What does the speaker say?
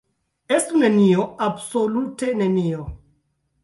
Estu nenio, absolute nenio!